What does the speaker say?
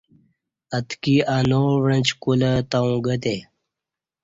اتکی اناو وݩعچ کولہ تؤوں گہ تے